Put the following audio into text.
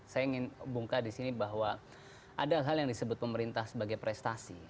saya ingin bongkar disini bahwa ada hal yang disebut pemerintah sebagai prestasi